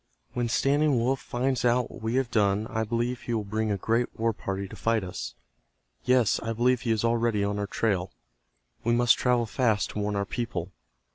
"When Standing Wolf finds out what we have done I believe he will bring a great war party to fight us. Yes, I believe he is already on our trail. We must travel fast to warn our people."